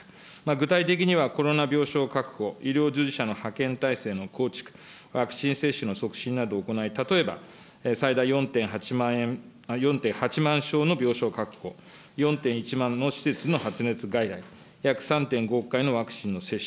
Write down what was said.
具体的には、コロナ病床確保、医療従事者の派遣体制の構築、ワクチン接種の促進などを行い、例えば、最大４．８万円、４．８万床の病床確保、４．１万の施設の発熱外来、約３．５億回のワクチンの接種。